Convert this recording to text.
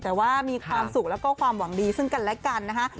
แต่ว่ามีความสุขแล้วก็ความหวังดีซึ่งกันและกันนะคะ